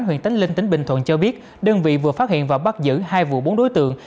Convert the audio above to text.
huyện tánh linh tỉnh bình thuận cho biết đơn vị vừa phát hiện và bắt giữ hai vụ bốn đối tượng